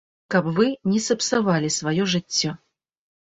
Каб вы не сапсавалі сваё жыццё.